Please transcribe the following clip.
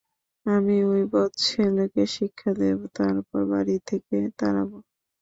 আমি ঐ বদ ছেলেকে শিক্ষা দেব, তারপর বাড়ি থেকে তাড়াব।